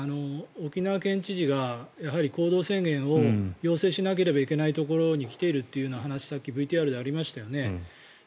沖縄県知事がやはり行動制限を要請しなければいけないところに来ているという話がさっきＶＴＲでありましたよね。